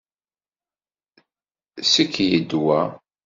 Ssekyed wa.